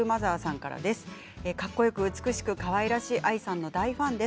かっこよく美しくかわいらしい愛さんの大ファンです。